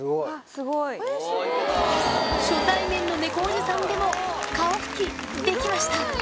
すごい。初対面のネコおじさんでも顔ふきできました